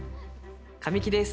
神木です。